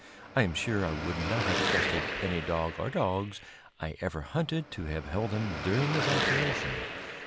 I am sure I would not have trusted any dog or dogs I ever hunted to have held him during this operation.